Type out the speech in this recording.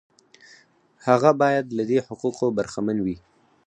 هغه باید له دې حقوقو برخمن وي.